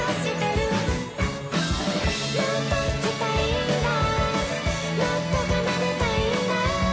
「もっと弾きたいんだもっと奏でたいんだ」